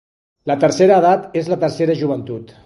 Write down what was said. La tercera edat és la tercera joventut.